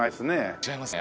違いますね。